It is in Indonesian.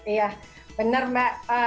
iya benar mbak